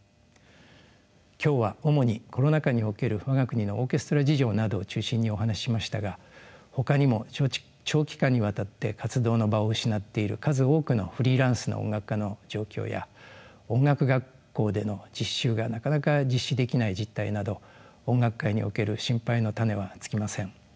今日は主にコロナ禍における我が国のオーケストラ事情などを中心にお話ししましたがほかにも長期間にわたって活動の場を失っている数多くのフリーランスの音楽家の状況や音楽学校での実習がなかなか実施できない実態など音楽界における心配の種は尽きません。